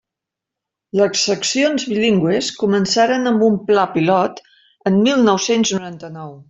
Les Seccions Bilingües començaren amb un pla pilot en mil nou-cents noranta-nou.